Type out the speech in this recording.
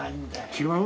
違う？